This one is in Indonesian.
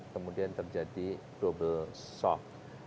kemudian terjadi double shock